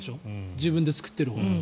自分で作っているほうが。